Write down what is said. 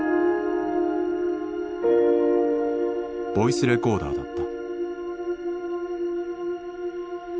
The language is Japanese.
ボイスレコーダーだった。